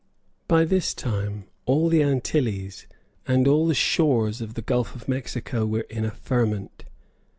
By this time all the Antilles and all the shores of the Gulf of Mexico were in a ferment.